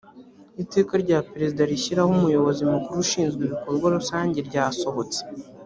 iteka rya perezida rishyiraho umuyobozi mukuru ushinzwe ibikorwa rusange ryasohotse